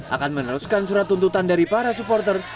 akan meneruskan surat tuntutan dari para supporter